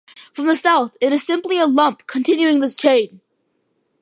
From the south it is simply a lump continuing this chain.